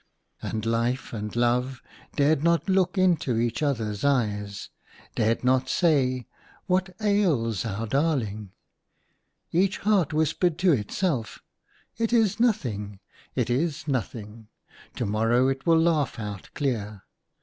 And Life and Love dared not look into each other's eyes, dared not say, " What ails our darling .*" Each heart whispered to itself, *' It is nothing, it is nothing, to morrow it will laugh out clear."